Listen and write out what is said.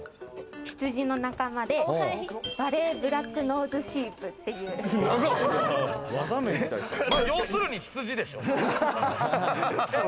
羊の仲間でヴァレーブラックノーズシープっていう。